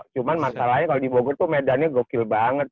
cuma masalahnya kalau di bogor tuh medannya gokil banget